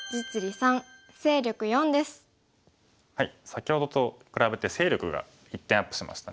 先ほどと比べて勢力が１点アップしましたね。